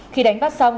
khi đánh bắt sau